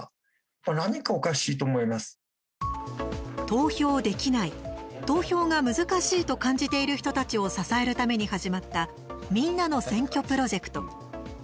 投票できない、投票が難しいと感じている人たちを支えるために始まった「みんなの選挙」プロジェクト。